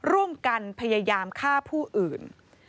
ร่วมกันพยายามฆ่าผู้อื่น